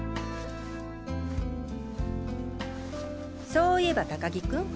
そういえば高木君？